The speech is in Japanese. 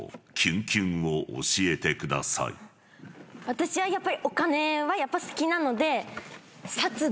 私はやっぱりお金は好きなので。